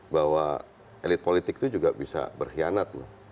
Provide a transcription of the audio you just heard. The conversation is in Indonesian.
bahwa elit politik itu juga bisa berkhianat